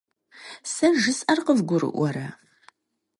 Сэ жысӏэр къывгурыӏуэрэ?